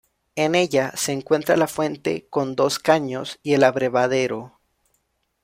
En ella se encuentra la fuente con dos caños y el abrevadero.